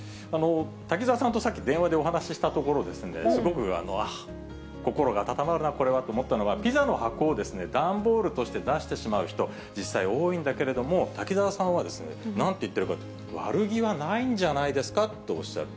滝沢さんとさっき電話でお話したところ、すごく心が温まるな、これはと思ったのが、ピザの箱を段ボールとして出してしまう人、実際多いんだけれども、滝沢さんは、なんと言っているかというと、悪気はないんじゃないですかとおっしゃる。